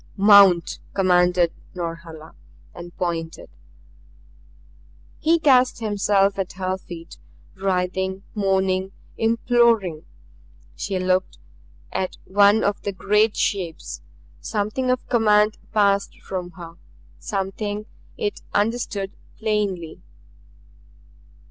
"Mount!" commanded Norhala, and pointed. He cast himself at her feet, writhing, moaning, imploring. She looked at one of the great Shapes; something of command passed from her, something it understood plainly.